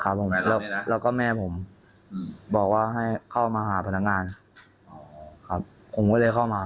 ครับผมแล้วก็แม่ผมบอกว่าให้เข้ามาหาพนักงานครับผมก็เลยเข้ามา